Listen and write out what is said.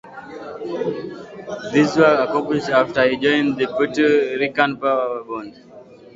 These were accomplished after he joined the "Puerto Rican Power" band.